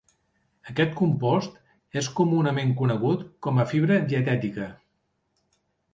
Aquest compost és comunament conegut com a fibra dietètica.